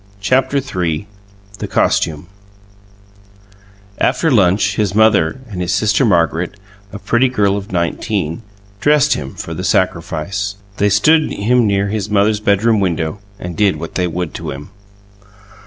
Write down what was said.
CHAPTER III THE COSTUME After lunch his mother and his sister Margaret, a pretty girl of nineteen, dressed him for the sacrifice. They stood him near his mother's bedroom window and did what they would to him.